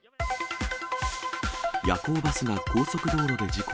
夜行バスが高速道路で事故。